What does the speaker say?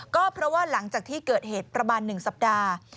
ก็เพราะว่าหลังจากที่เกิดเหตุประมาณ๑สัปดาห์